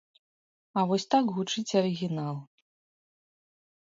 А вось так гучыць арыгінал.